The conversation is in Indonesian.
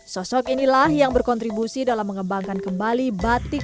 sosok inilah yang berkontribusi dalam mengembangkan kembali batik